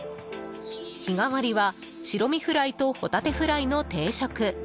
日替わりは白身フライとホタテフライの定食。